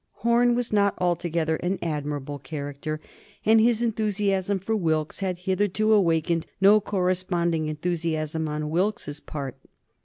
Horne was not altogether an admirable character, and his enthusiasm for Wilkes had hitherto awakened no corresponding enthusiasm on Wilkes's part.